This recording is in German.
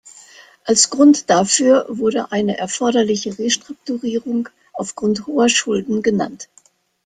Als Grund dafür wurde eine erforderliche Restrukturierung aufgrund hoher Schulden genannt.